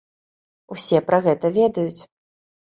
Усе пра гэта ведаюць.